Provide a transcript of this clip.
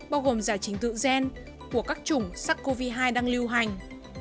bao gồm giải chính tựu gen của các chủng sắc covid hai đang lưu hành